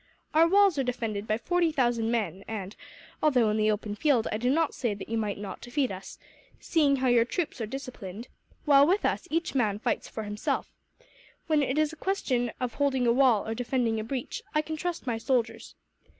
Our walls are defended by forty thousand men and although in the open field I do not say that you might not defeat us, seeing how your troops are disciplined, while with us each man fights for himself when it is a question of holding a wall or defending a breach, I can trust my soldiers.